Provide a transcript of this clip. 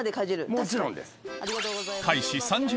もちろんです。